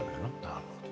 なるほど。